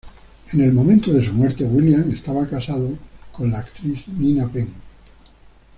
En el momento de su muerte, Williams estaba casado con la actriz Nina Penn.